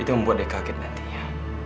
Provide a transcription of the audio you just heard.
itu yang membuat dia kaget nantinya